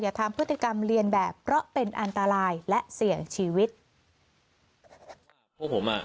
ทำพฤติกรรมเรียนแบบเพราะเป็นอันตรายและเสี่ยงชีวิตพวกผมอ่ะ